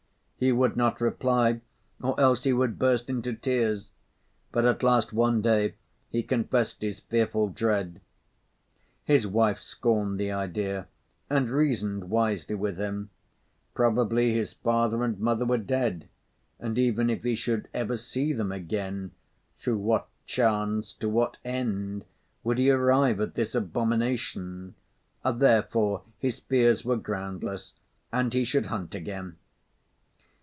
He would not reply, or else he would burst into tears; but at last, one day, he confessed his fearful dread. His wife scorned the idea and reasoned wisely with him: probably his father and mother were dead; and even if he should ever see them again, through what chance, to what end, would he arrive at this abomination? Therefore, his fears were groundless, and he should hunt again.